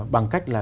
bằng cách là